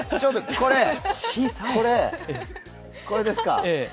これ、これ、これですか？